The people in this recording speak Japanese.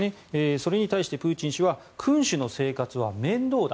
それに対してプーチン氏は君主の生活は面倒だ。